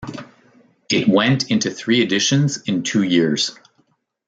It went into three editions in two years.